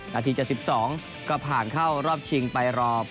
นาที๗๒ก็ผ่านเข้ารอบชิงไปรอ